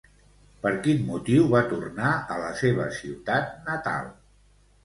Per quin motiu va tornar a la seva ciutat natal?